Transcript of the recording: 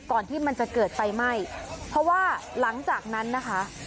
ที่มันจะเกิดไฟไหม้เพราะว่าหลังจากนั้นนะคะ